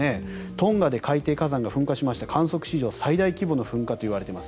トンガで海底火山が噴火しまして観測史上最大の噴火といわれています。